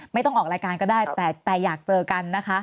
ไม่ต้องออกรายการก็ได้แต่อยากเจอกันนะคะ